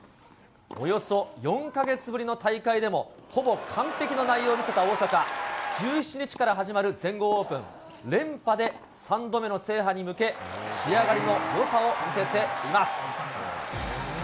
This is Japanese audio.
およそ４か月ぶりの大会でも、ほぼ完ぺきな内容を見せた大坂、１７日から始まる全豪オープン、連覇で３度目の制覇に向け、仕上がりのよさを見せています。